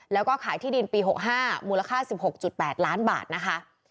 แล้วก็ขายที่ดินปี๖๕มูลค่า๑๖๘ล้านบาทนะคะ